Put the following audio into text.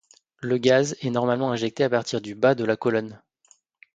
Le gaz est normalement injecté à partir du bas de la colonne.